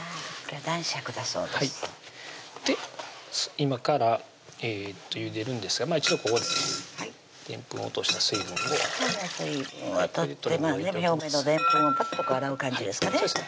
今からゆでるんですが一度ここでねでんぷん落とした水分を水分を取って表面のでんぷんをぱっと洗う感じですかね